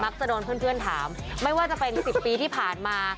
จะโดนเพื่อนถามไม่ว่าจะเป็น๑๐ปีที่ผ่านมา